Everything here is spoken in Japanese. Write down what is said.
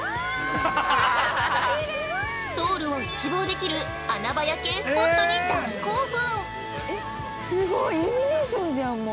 ソウルを一望できる穴場夜景スポットに大興奮！